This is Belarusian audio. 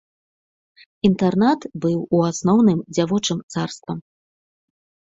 Інтэрнат быў у асноўным дзявочым царствам.